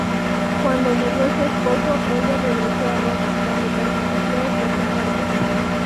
Cuando murió su esposo, ella regresó a Roma, donde permaneció hasta su muerte.